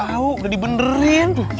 tahu udah dibenerin